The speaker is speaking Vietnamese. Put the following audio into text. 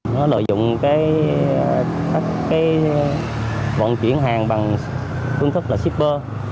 nó lợi dụng cái vận chuyển hàng bằng phương thức là shipper